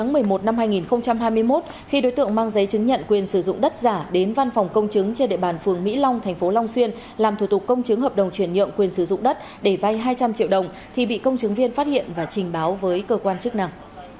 ngày một mươi một năm hai nghìn hai mươi một khi đối tượng mang giấy chứng nhận quyền sử dụng đất giả đến văn phòng công chứng trên địa bàn phường mỹ long thành phố long xuyên làm thủ tục công chứng hợp đồng chuyển nhượng quyền sử dụng đất để vay hai trăm linh triệu đồng thì bị công chứng viên phát hiện và trình báo với cơ quan chức năng